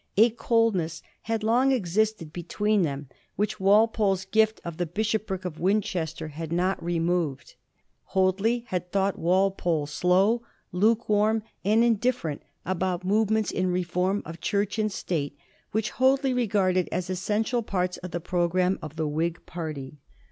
A coldness had long existed between them, which Walpole's gift of the Bishopric of Winchester had not removed. 1787. BISHOP HOADLEY AND THE TEST ACT. m Hoadley bad thought Walpole slow, lukewarm, and in different about movements in reform of Church and State, which Hoadley regarded as essential parts of the pro gramme of the Whig garty.